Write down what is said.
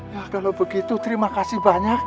ya kalau begitu terima kasih banyak